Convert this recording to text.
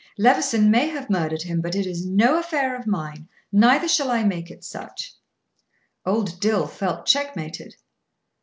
Levison may have murdered him, but it is no affair of mine, neither shall I make it such." Old Dill felt checkmated.